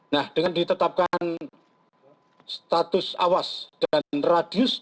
nah dengan ditetapkan status awas dan radius